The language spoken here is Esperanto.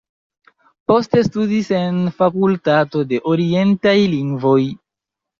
Poste studis en fakultato de orientaj lingvoj.